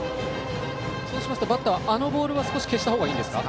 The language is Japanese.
そうしますとバッターは今のボールは消した方がいいんですね。